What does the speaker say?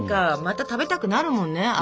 また食べたくなるもんね。